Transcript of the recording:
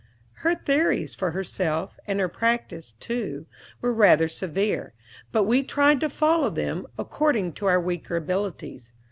Her theories for herself, and her practice, too, were rather severe; but we tried to follow them, according to our weaker abilities.